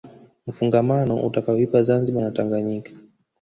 mfungamano utakayoipa Zanzibar na Tanganyika